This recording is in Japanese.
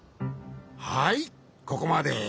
はいここまで。